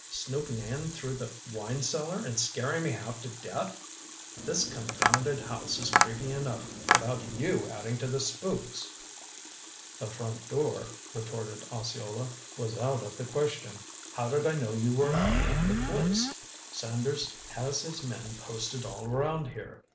Snooping in through the wine cellar and scaring me half to death? This confounded house is creepy enough without you adding to the spooks!" "The front door," retorted Osceola, "was out of the question. How did I know you were in the place? Sanders has his men posted all around here.